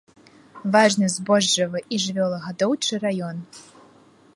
Важны збожжавы і жывёлагадоўчы раён.